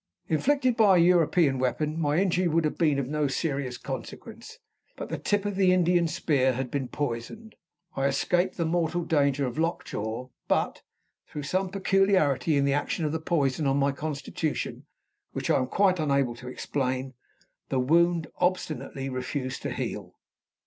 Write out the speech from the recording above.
Inflicted by a European weapon, my injury would have been of no serious consequence. But the tip of the Indian spear had been poisoned. I escaped the mortal danger of lockjaw; but, through some peculiarity in the action of the poison on my constitution (which I am quite unable to explain), the wound obstinately refused to heal.